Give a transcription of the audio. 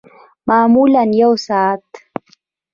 معمولاً یوه ساعت